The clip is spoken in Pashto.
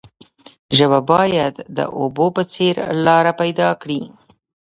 ژبه باید د اوبو په څیر لاره پیدا کړي.